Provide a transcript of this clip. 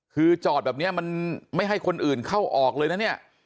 คือจอดแบบนี้มันไม่ให้คนอื่นเข้าออกเลยนะเนี่ย